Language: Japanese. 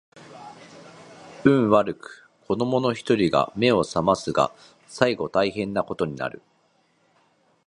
運悪く子供の一人が眼を醒ますが最後大変な事になる